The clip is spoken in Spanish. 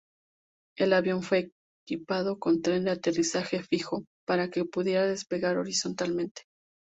El avión fue equipado con tren de aterrizaje fijo, para que pudiera despegar horizontalmente.